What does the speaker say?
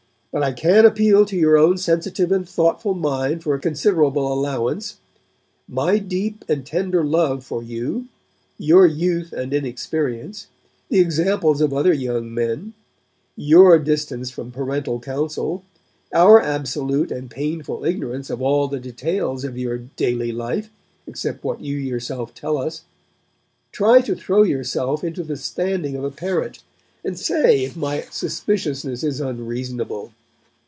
But I can appeal to your own sensitive and thoughtful mind for a considerable allowance. My deep and tender love for you; your youth and inexperience; the examples of other young men; your distance from parental counsel; our absolute and painful ignorance of all the details of your daily life, except what you yourself tell us: try to throw yourself into the standing of a parent, and say if my suspiciousness is unreasonable.